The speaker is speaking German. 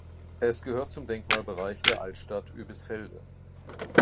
Es gehört zum Denkmalbereich der Altstadt Oebisfelde.